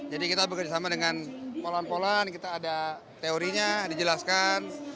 jadi kita bekerja sama dengan polan polan kita ada teorinya dijelaskan